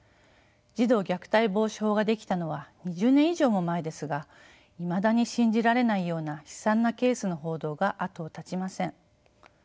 児童虐待防止法が出来たのは２０年以上も前ですがいまだに信じられないような悲惨なケースの報道が後を絶ちません。